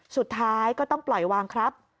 สุดท้ายก็ต้องปล่อยวางครับ